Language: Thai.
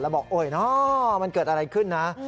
แล้วบอกโอ๊ยน้อมันเกิดอะไรขึ้นนะ